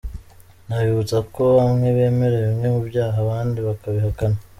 Nabibutsa ko bamwe bemera bimwe mu byaha abandi bakabihakana.